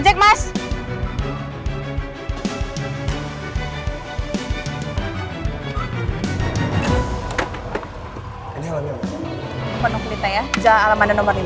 telepon aku ke lita ya jalan alam anda nomor lima